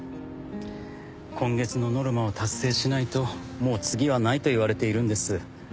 今月のノルマを達成しないともう次はないと言われているんです。